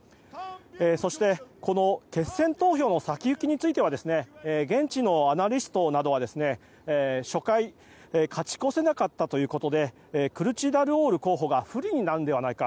そして、決選投票の先行きについては現地のアナリストなどは、初回勝ち越せなかったということでクルチダルオール候補が不利になるのではないか。